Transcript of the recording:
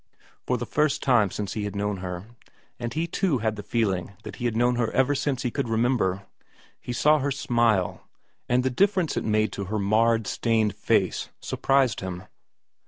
For the first time since he had known her and he too had the feeling that he had known her ever since he could remember he saw her smile, and the difference it made to her marred, stained face surprised him.